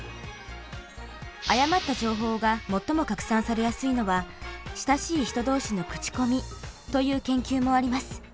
誤った情報が最も拡散されやすいのは親しい人同士の口コミという研究もあります。